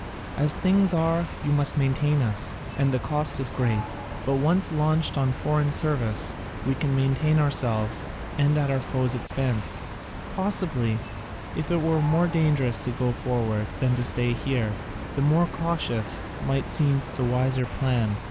As things are, you must maintain us, and the cost is great; but once launched on foreign service, we can maintain ourselves, and at our foe's expense. Possibly, if it were more dangerous to go forward than to stay here, the more cautious might seem the wiser plan.